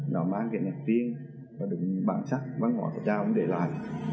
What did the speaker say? nó mang kẻ nạc viên và đừng bản sắc văn hóa tạm tra cũng để lại